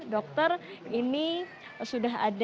dokter ini sudah ada